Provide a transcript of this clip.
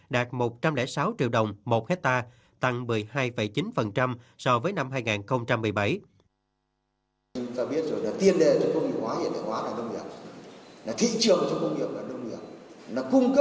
đạt một trăm linh sáu triệu đồng một hectare